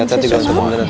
enak banget biomedical